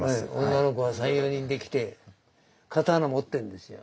女の子が３４人で来て刀持ってるんですよ。